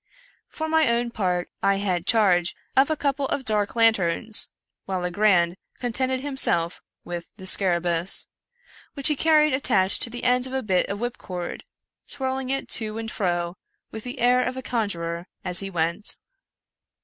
For my own part, I had charge of a couple of dark lanterns, while Legrand contented him self with the scarahcEus, which he carried attached to the end of a bit of whipcord ; twirling it to and fro, with the air of a conjurer, as he went.